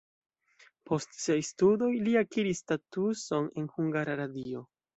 Post siaj studoj li akiris statuson en Hungara Radio.